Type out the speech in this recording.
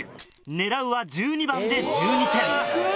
狙うは１２番で１２点。